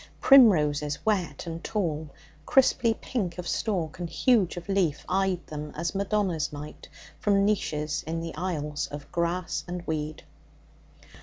Primroses, wet and tall, crisply pink of stalk and huge of leaf, eyed them, as Madonnas might, from niches in the isles of grass and weed.